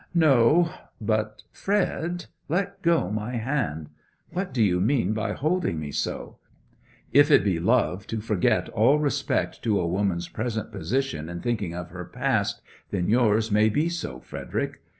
'No, but Fred let go my hand! What do you mean by holding me so? If it be love to forget all respect to a woman's present position in thinking of her past, then yours may be so, Frederick.